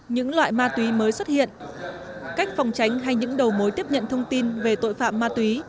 những loại ma túy mới xuất hiện cách phòng tránh hay những đầu mối tiếp nhận thông tin về tội phạm ma túy